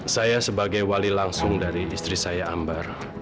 saya sebagai wali langsung dari istri saya ambar